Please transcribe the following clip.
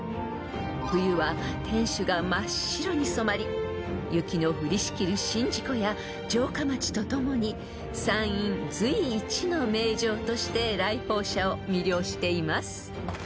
［冬は天守が真っ白に染まり雪の降りしきる宍道湖や城下町と共に山陰随一の名城として来訪者を魅了しています］